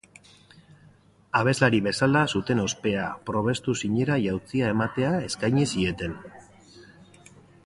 Abeslari bezala zuten ospea probestuz zinera jauzia ematea eskaini zieten.